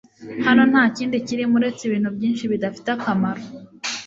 Hano ntakindi kirimo uretse ibintu byinshi bidafite akamaro